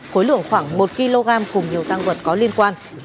khối lượng khoảng một kg cùng nhiều tăng vật có liên quan